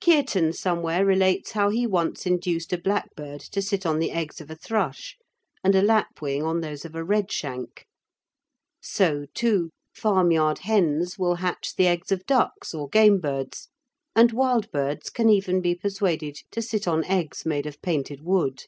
Kearton somewhere relates how he once induced a blackbird to sit on the eggs of a thrush, and a lapwing on those of a redshank. So, too, farmyard hens will hatch the eggs of ducks or game birds and wild birds can even be persuaded to sit on eggs made of painted wood.